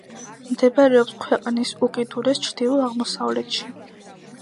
მდებარეობს ქვეყნის უკიდურეს ჩრდილო-აღმოსავლეთში.